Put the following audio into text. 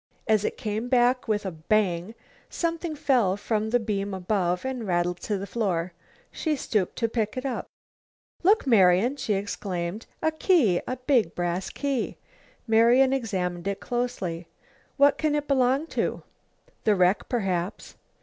As it came back with a bang, something fell from the beam above and rattled to the floor. She stooped to pick it up. "Look, Marian!" she exclaimed. "A key! A big brass key!" Marian examined it closely. "What can it belong to?" "The wreck, perhaps."